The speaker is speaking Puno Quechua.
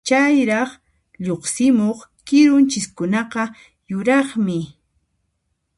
Chayraq lluqsimuq kirunchiskunaqa yuraqmi.